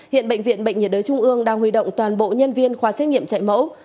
hiện bệnh viện bệnh nhiệt đới trung ương đang huy động toàn bộ nhân viên khoa xét nghiệm chạy mẫu